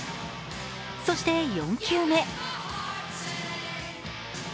そして４球目。